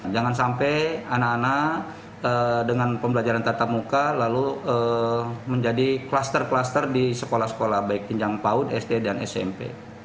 jangan sampai anak anak dengan pembelajaran tatap muka lalu menjadi kluster kluster di sekolah sekolah baik jenjang paut sd dan smp